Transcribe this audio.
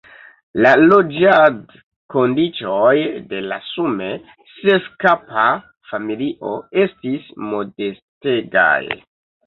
La loĝadkondiĉoj de la sume seskapa familio estis modestegaj.